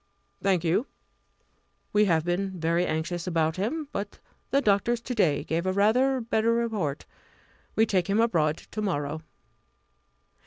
"Thank you. We have been very anxious about him; but the doctors to day give a rather better report. We take him abroad to morrow."